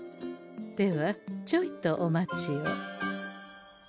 ではちょいとお待ちを。